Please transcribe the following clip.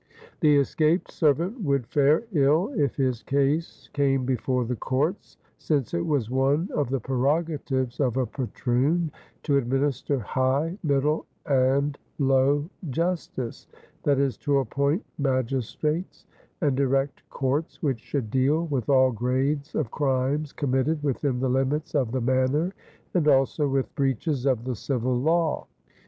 The escaped servant would fare ill if his case came before the courts, since it was one of the prerogatives of a patroon to administer high, middle, and low justice that is, to appoint magistrates and erect courts which should deal with all grades of crimes committed within the limits of the manor and also with breaches of the civil law.